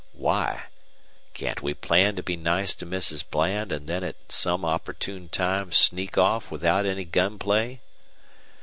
"Why? Can't we plan to be nice to Mrs. Bland and then at an opportune time sneak off without any gun play?"